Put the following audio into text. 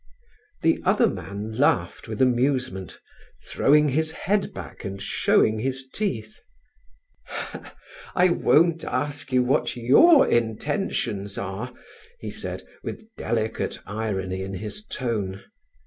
The other man laughed with amusement, throwing his head back and showing his teeth. "I won't ask you what your intentions are," he said, with delicate irony in his tone.